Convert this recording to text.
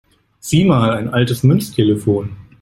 Sieh mal, ein altes Münztelefon!